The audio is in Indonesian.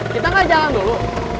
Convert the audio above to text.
kita gak jalan dulu